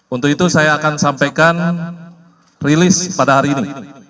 untuk itu saya akan sampaikan rilis pada hari ini